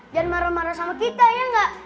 jangan marah marah sama kita ya enggak